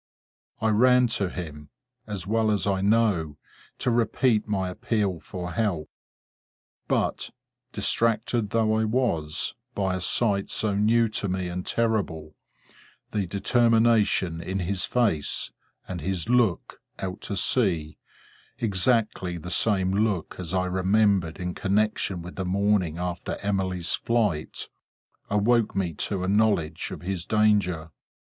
I ran to him—as well as I know, to repeat my appeal for help. But, distracted though I was, by a sight so new to me and terrible, the determination in his face, and his look, out to sea—exactly the same look as I remembered in connection with the morning after Emily's flight—awoke me to a knowledge of his danger.